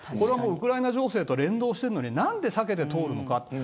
ウクライナ情勢と連動しているのに何で避けて通るのか。